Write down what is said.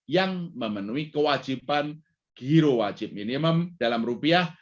yang memenuhi kewajiban giro wajib minimum dalam rupiah